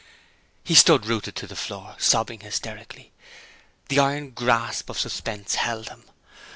He stood rooted to the floor, sobbing hysterically. The iron grasp of suspense held him.